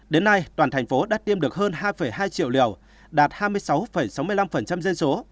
đến nay toàn thành phố đã tiêm được hơn hai hai triệu liều đạt hai mươi sáu sáu mươi năm dân số